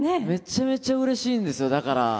めちゃめちゃうれしいんですよだから。